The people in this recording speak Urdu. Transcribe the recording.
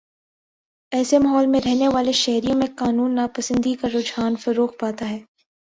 ایسے ماحول میں رہنے والے شہریوں میں قانون ناپسندی کا رجحان فروغ پاتا ہے